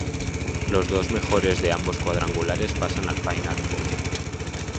Los dos mejores de ambos cuadrangulares pasan al "Final Four".